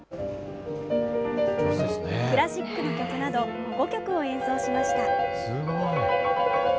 クラシックの曲など５曲を演奏しました。